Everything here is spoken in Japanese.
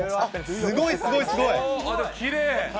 すごい、すごい、すごい。